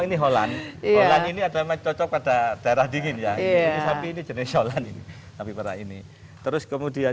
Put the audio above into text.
ini holland ini ada mencoba daerah dingin ya tapi ini jenis sholani tapi pada ini terus kemudian